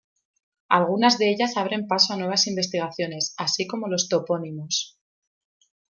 Algunas de ellas abren paso a nuevas investigaciones, así como los topónimos.